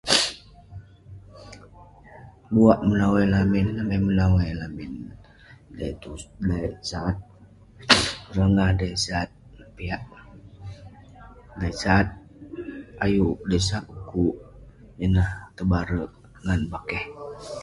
Buak menawai lamin, amai menawai lamin dey sat rongah, dey sat piak, dey sat ayuk, dey sat ukuk, ineh tebarek ngan bakeh